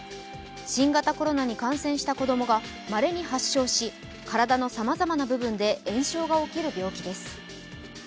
新型コロナに感染した子供がまれに発症し体のさまざまな部分で炎症が起きる病気です。